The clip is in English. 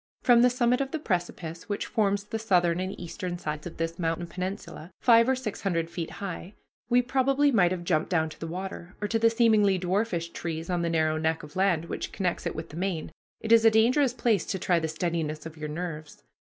From the summit of the precipice which forms the southern and eastern sides of this mountain peninsula, five or six hundred feet high, we probably might have jumped down to the water, or to the seemingly dwarfish trees on the narrow neck of land which connects it with the main. It is a dangerous place to try the steadiness of your nerves.